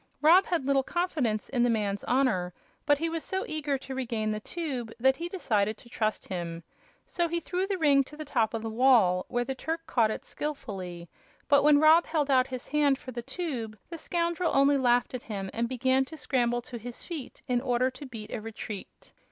Rob had little confidence in the man's honor, but he was so eager to regain the tube that he decided to trust him. So he threw the ring to the top of the wall, where the Turk caught it skilfully; but when Rob held out his hand for the tube the scoundrel only laughed at him and began to scramble to his feet in order to beat a retreat.